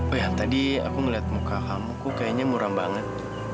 oh iya tadi aku ngeliat muka kamu tuh kayaknya muram banget